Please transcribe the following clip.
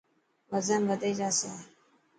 وزن وڌي جاسي.